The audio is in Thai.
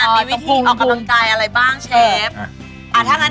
มีวิธีออกกำลังกายอะไรบ้างเชฟ